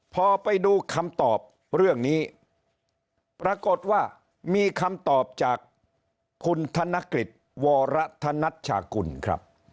พอไปดูคำตอบเรื่องนี้ปรากฏว่ามีคำตอบจากคุณธนกฤษวรธนัชชากุลครับ